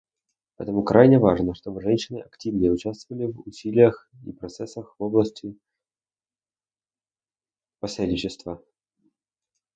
Поэтому крайне важно, чтобы женщины активнее участвовали в усилиях и процессах в области посредничества.